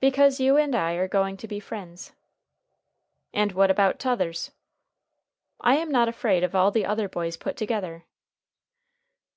"Because you and I are going to be friends." "And what about t'others?" "I am not afraid of all the other boys put together."